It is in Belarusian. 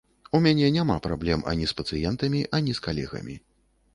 У мяне няма праблем ані з пацыентамі, ані з калегамі.